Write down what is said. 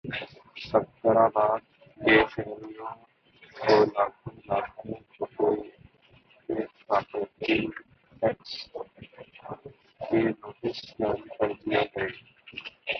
صفدرآباد کے شہریوں کو لاکھوں لاکھوں روپے کے پراپرٹی ٹیکس کے نوٹس جاری کردیئے گئے